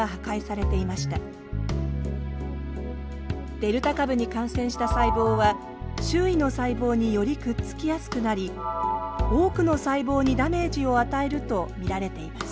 デルタ株に感染した細胞は周囲の細胞によりくっつきやすくなり多くの細胞にダメージを与えると見られています。